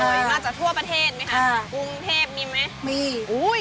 มาจากทั่วประเทศไหมคะกุงเทพีมีไหม